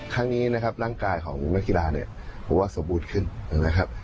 ครั้งนี้นะครับร่างกายของนักกีฬาเนี่ยผมว่าสมบูรณ์ขึ้นนะครับ